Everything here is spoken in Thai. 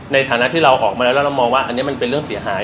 ในฐานะที่เราออกมาแล้วแล้วเรามองว่าอันนี้มันเป็นเรื่องเสียหาย